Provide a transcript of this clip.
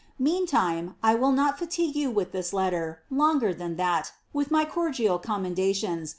Meantime, 1 will not laligue you with this letter longer ihnn that, with my cot dial commendations.